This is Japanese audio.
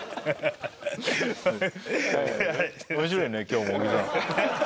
面白いね今日も小木さん。